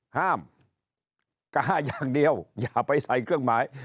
ห้ามกาอย่างเดียวอย่าไปใส่เครื่องหมาย